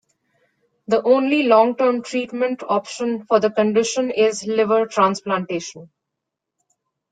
The only long-term treatment option for the condition is liver transplantation.